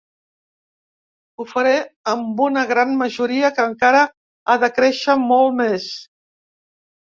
Ho faré amb una gran majoria que encara ha de créixer molt més.